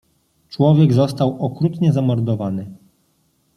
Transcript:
"Człowiek został okrutnie zamordowany."